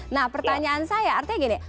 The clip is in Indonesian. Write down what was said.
nah pertanyaan saya artinya gini